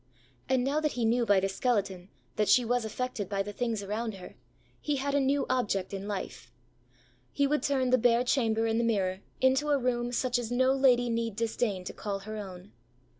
And now that he knew by the skeleton, that she was affected by the things around her, he had a new object in life: he would turn the bare chamber in the mirror into a room such as no lady need disdain to call her own.